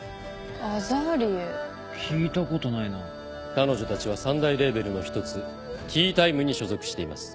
彼女たちは三大レーベルの一つＫＥＹＴＩＭＥに所属しています。